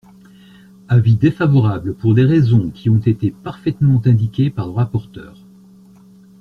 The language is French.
Avis défavorable pour les raisons qui ont été parfaitement indiquées par le rapporteur.